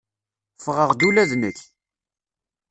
Ffɣeɣ-d ula d nekk.